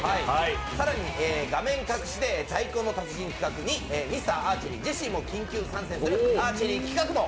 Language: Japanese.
更に画面隠しで「太鼓の達人」企画にミスター・アーチェリー、ジェシーも緊急参戦するアーチェリー企画も。